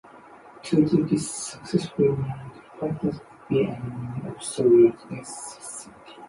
To do this successfully night fighters would be an absolute necessity.